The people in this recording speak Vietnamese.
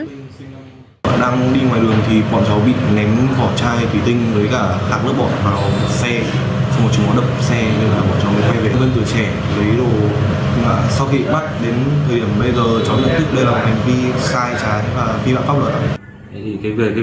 sau khi bắt đến thời điểm bây giờ cháu nhận thức đây là hành vi sai trái và phi lạc pháp lợi